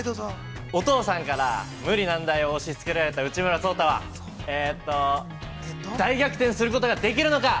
お父さんから無理難題を押し付けられた内村颯太は大逆転することができるのか！